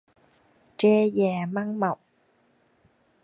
Tre già măng mọc.